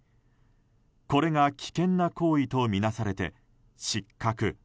これが危険な行為とみなされて失格。